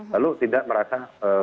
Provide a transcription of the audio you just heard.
lalu tidak merasa